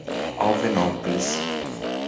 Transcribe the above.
Alvinópolis